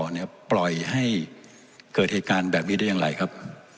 เนี่ยปล่อยให้เกิดเหตุการณ์แบบนี้ได้อย่างไรครับ